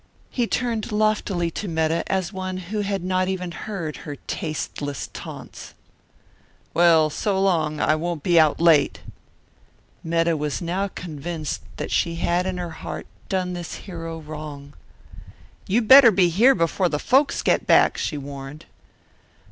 He turned loftily to Metta as one who had not even heard her tasteless taunts. "Well, so long! I won't be out late." Metta was now convinced that she had in her heart done this hero a wrong. "You better be here before the folks get back!" she warned.